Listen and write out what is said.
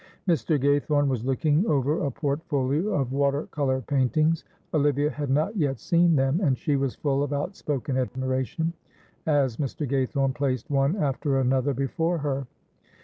Mr. Gaythorne was looking over a portfolio of water colour paintings. Olivia had not yet seen them, and she was full of outspoken admiration, as Mr. Gaythorne placed one after another before her.